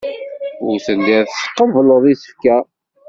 Ur telliḍ tqebbleḍ isefka.